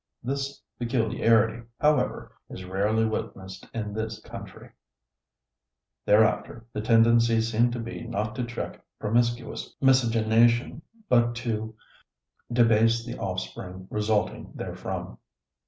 This peculiarity, however, is rarely witnessed in this country." Thereafter the tendency seemed to be not to check promiscuous miscegenation but to debase the offspring resulting therefrom.